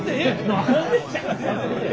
何で！